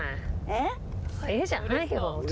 「え？」じゃないよ。